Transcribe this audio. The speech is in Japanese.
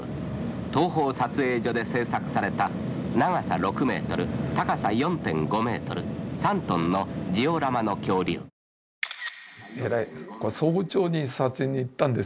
東宝撮影所で制作された長さ６ｍ高さ４．５ｍ３ｔのジオラマの恐竜えらいです。